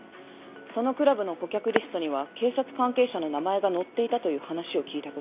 そのクラブの顧客リストには警察関係者の名前が載っていたという話を聞いたことがある。